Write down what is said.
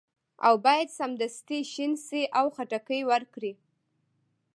او باید سمدستي شین شي او خټکي ورکړي.